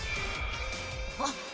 あっ